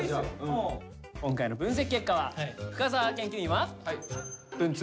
今回の分析結果は深澤研究員は文通。